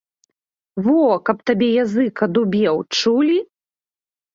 Во, каб табе язык адубеў, чулі?